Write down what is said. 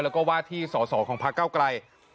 เพราะว่าที่ส่อของพระเก้าไกร